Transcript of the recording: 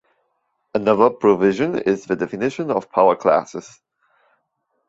Another provision is the definition of power classes.